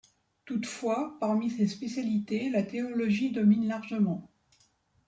Toutefois, parmi ces spécialités, la théologie domine largement.